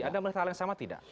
ada masalah yang sama tidak